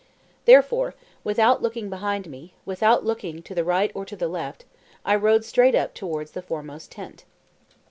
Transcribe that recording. Therefore, without looking behind me, without looking to the right or to the left, I rode straight up towards the foremost tent.